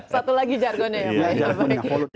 satu lagi jargonnya ya pak ya